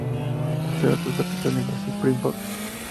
Es el actual capitán de los Springboks.